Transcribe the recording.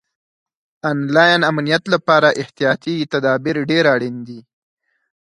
آنلاین امنیت لپاره احتیاطي تدابیر ډېر اړین دي.